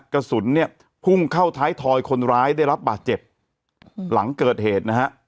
กระสุนเนี่ยพุ่งเข้าท้ายทอยคนร้ายได้รับบาดเจ็บหลังเกิดเหตุนะฮะ